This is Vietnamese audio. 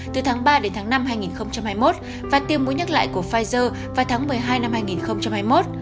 từ tháng ba đến tháng năm hai nghìn hai mươi một và tiêm muốn nhắc lại của pfizer vào tháng một mươi hai năm hai nghìn hai mươi một